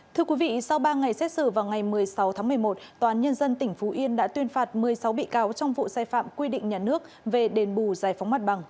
thưa quý vị sau ba ngày xét xử vào ngày một mươi sáu tháng một mươi một tòa án nhân dân tỉnh phú yên đã tuyên phạt một mươi sáu bị cáo trong vụ sai phạm quy định nhà nước về đền bù giải phóng mặt bằng